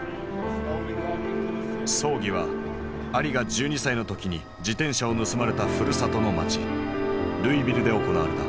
葬儀はアリが１２歳の時に自転車を盗まれたふるさとの町ルイビルで行われた。